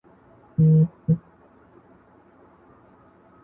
په يوازي ځان قلا ته ور روان سو.!